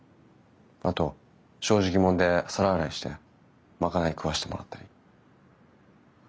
あとしょうじきもんで皿洗いして賄い食わしてもらったり。